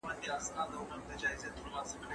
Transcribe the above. په هینداره کي دي وینم کله ته یې کله زه سم